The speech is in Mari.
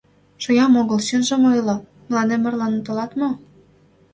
— Шоям огыл, чынжым ойло: мыланем марлан толат мо?